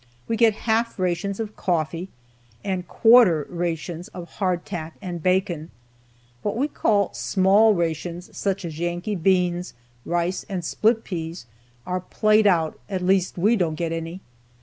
We get half rations of coffee, and quarter rations of hardtack and bacon. What we call small rations, such as Yankee beans, rice, and split peas, are played out; at least, we don't get any.